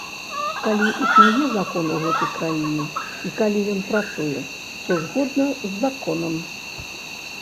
Калі існуе закон у гэтай краіне, і калі ён працуе, то згодна з законам.